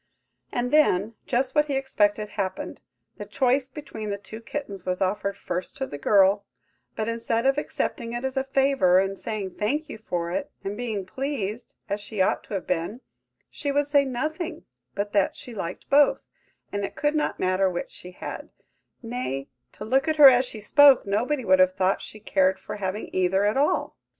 And then, just what he expected happened,–the choice between the two kittens was offered first to the girl; but, instead of accepting it as a favour, and saying "Thank you" for it, and being pleased, as she ought to have been, she would say nothing but that she liked both, and it could not matter which she had; nay, to look at her as she spoke, nobody would have thought she cared for having either at all!